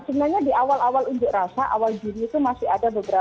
sebenarnya di awal awal unjuk rasa awal juni itu masih ada beberapa